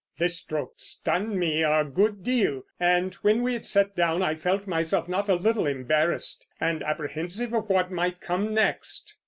This stroke stunned me a good deal; and when we had sat down I felt myself not a little embarrassed, and apprehensive of what might come next.